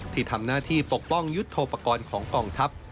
ที่ทำหน้าที่ปกป้องยุทธโปรกรณ์ของกองทัพ